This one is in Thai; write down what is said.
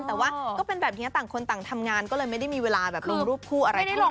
แต่ว่าก็เป็นแบบนี้ต่างคนต่างทำงานก็เลยไม่ได้มีเวลาแบบลงรูปคู่อะไรกันหรอก